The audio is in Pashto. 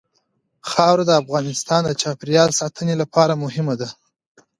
خاوره د افغانستان د چاپیریال ساتنې لپاره مهم دي.